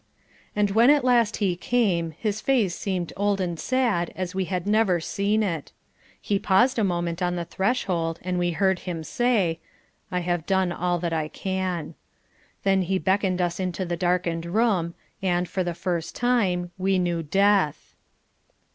And when at last he came, his face seemed old and sad as we had never seen it. He paused a moment on the threshold and we heard him say, "I have done all that I can." Then he beckoned us into the darkened room, and, for the first time, we knew Death.